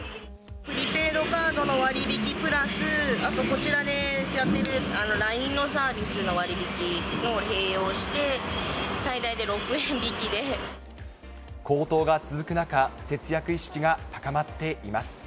プリペイドカードの割引プラス、あとこちらでやっているＬＩＮＥのサービスの割引を併用して、高騰が続く中、節約意識が高まっています。